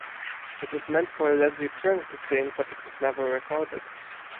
It was meant for Leslie Cheung to sing but it was never recorded.